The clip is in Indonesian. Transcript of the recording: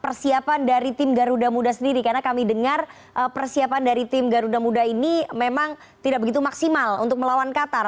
persiapan dari tim garuda muda sendiri karena kami dengar persiapan dari tim garuda muda ini memang tidak begitu maksimal untuk melawan qatar